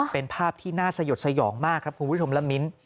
เป็นภาพที่น่าสยดสยองมากครับคุณผู้ชมละมิ้น